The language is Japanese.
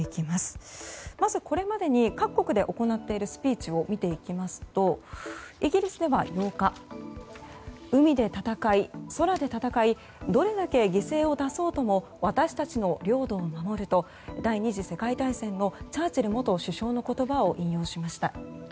まずこれまでに各国で行っているスピーチを見ていきますとイギリスでは８日海で戦い、空で戦いどれだけ犠牲を出そうとも私たちの領土を守ると第２次世界大戦のチャーチル元首相の言葉を引用しました。